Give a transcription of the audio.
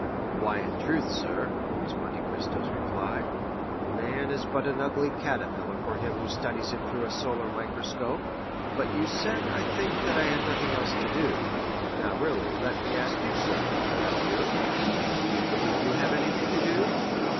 "Why, in truth, sir," was Monte Cristo's reply, "man is but an ugly caterpillar for him who studies him through a solar microscope; but you said, I think, that I had nothing else to do. Now, really, let me ask, sir, have you?—do you believe you have anything to do?